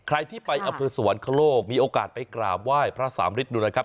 ใครที่ไปอำเภอสวรรคโลกมีโอกาสไปกราบไหว้พระสามฤทธิดูนะครับ